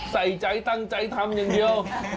ใส่ใจตั้งใจทำอย่างเดียว